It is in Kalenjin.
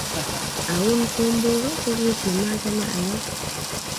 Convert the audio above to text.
a un kombok ko kit ne machame a aye